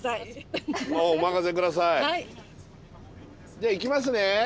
じゃあ行きますね。